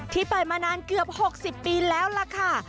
เปิดมานานเกือบ๖๐ปีแล้วล่ะค่ะ